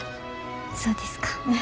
そうですか。